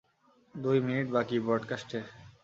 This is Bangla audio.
দুই মিনিট বাকি ব্রডকাস্টের।